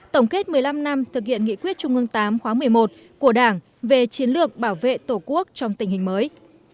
tổng kết một mươi năm năm thực hiện nghị quyết trung ương tám khóa một mươi một của đảng về chiến lược bảo vệ tổ quốc trong tình hình mới